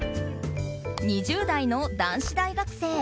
２０代の男子大学生。